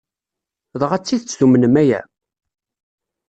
Dɣa d tidet tumnem aya?